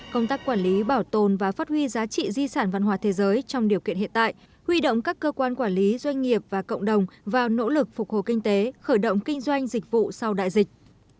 công tác quản lý bảo tồn và phát huy giá trị di sản văn hóa thế giới trong điều kiện hiện tại huy động các cơ quan quản lý doanh nghiệp và cộng đồng vào nỗ lực phục hồi kinh tế khởi động kinh doanh dịch vụ sau đại dịch